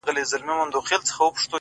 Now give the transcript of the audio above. • ته هم چا یې پر نزله باندي وهلی؟,